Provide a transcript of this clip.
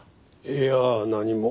いいや何も。